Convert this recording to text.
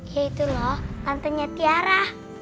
ya itu loh pantainya tiara